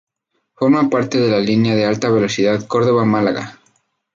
Forma parte de la línea de alta velocidad Córdoba-Málaga.